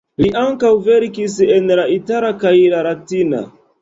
Li ankaŭ verkis en la itala kaj la latina.